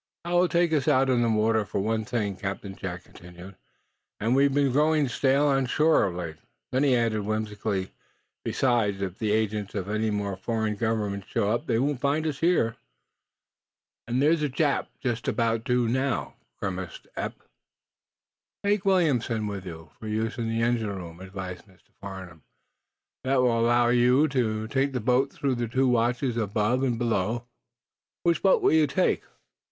"It will take us out on the water, for one thing," Captain Jack continued, "and we've been growing stale on shore, of late." Then he added, whimsically: "Besides, if the agents of any more foreign governments show up, they won't find us here." "And there's a Jap just about due now," grimaced Eph. "Take Williamson with you, for use in the engine room," advised Mr. Farnum. "That will allow you to take the boat through with two watches above and below. Which boat will you take?"